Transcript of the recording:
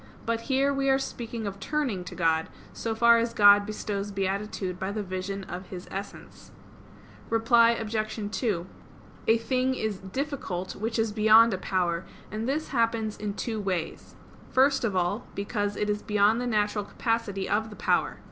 But here we are speaking of turning to God, so far as God bestows beatitude by the vision of His essence. Reply Obj. 2: A thing is "difficult" which is beyond a power; and this happens in two ways. First of all, because it is beyond the natural capacity of the power.